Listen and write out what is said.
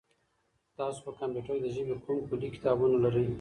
تاسي په کمپیوټر کي د ژبې کوم کلي کتابونه لرئ؟